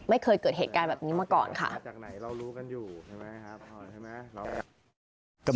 ไม่เคยเกิดเหตุการณ์แบบนี้มาก่อนค่ะมาจากไหนเรารู้กันอยู่ใช่ไหมครับ